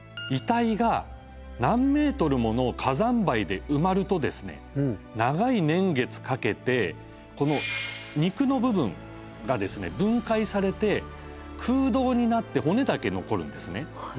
遺体が何メートルもの火山灰で埋まると長い年月かけて肉の部分が分解されて空洞になって骨だけ残るんですね。